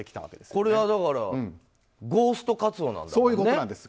これはゴーストカツオなんだもんね。